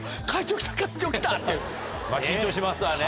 まぁ緊張しますわね。